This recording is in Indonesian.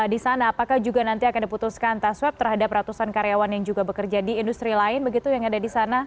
di sana apakah juga nanti akan diputuskan tes swab terhadap ratusan karyawan yang juga bekerja di industri lain begitu yang ada di sana